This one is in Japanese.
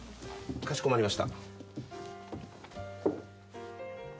かしこまりました。